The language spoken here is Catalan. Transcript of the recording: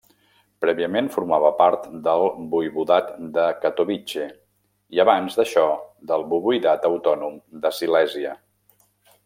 Prèviament, formava part del voivodat de Katowice, i abans d'això del voivodat autònom de Silèsia.